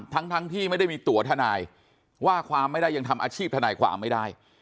ทั้งที่ไม่ได้มีตัวทนายว่าความไม่ได้ยังทำอาชีพทนายความไม่ได้